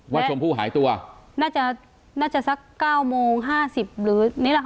ว่าชมพู่หายตัวน่าจะน่าจะสักเก้าโมงห้าสิบหรือนี่แหละค่ะ